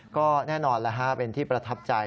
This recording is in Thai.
ก็แน่นอนแล้วฮะเป็นที่ประทับใจ